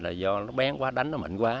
là do nó bén quá đánh nó mịn quá